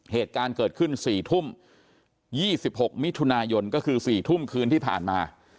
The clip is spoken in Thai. เหตุการณ์เกิดขึ้น๔ทุ่ม๒๖มิถุนายนก็คือ๔ทุ่มคืนที่ผ่านมา